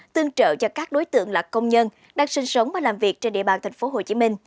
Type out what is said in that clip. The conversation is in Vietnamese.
tương trợ cho các đối tượng là công nhân đang sinh sống và làm việc trên địa bàn tp hcm